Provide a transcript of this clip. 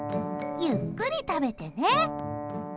ゆっくり食べてね。